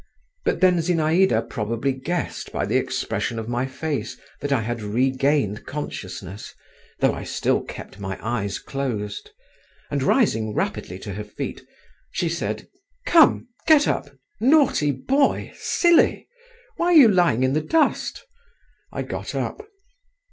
But then Zinaïda probably guessed by the expression of my face that I had regained consciousness, though I still kept my eyes closed, and rising rapidly to her feet, she said: "Come, get up, naughty boy, silly, why are you lying in the dust?" I got up.